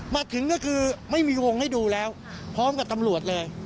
มาถึงก็คือไม่มีวงให้ดูแล้วพร้อมกับตำรวจเลย